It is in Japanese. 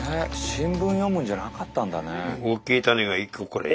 新聞読むんじゃなかったんだね。